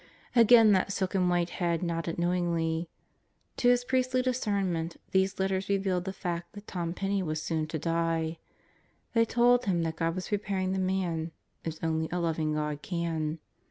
Again that silken white head nodded knowingly. To his priestly discernment, these letters revealed the fact that Tom Penney was soon to die. They told him that God was preparing the man, as only a loving God can.